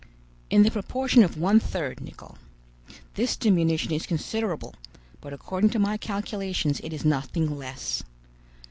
"In the proportion of one third, Nicholl. This diminution is considerable, but according to my calculations it is nothing less.